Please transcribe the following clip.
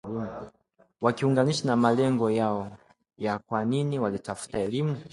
Wakaiunganisha na malengo yao ya kwanini walitafuta elimu